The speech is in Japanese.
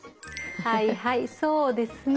はいはいそうですね。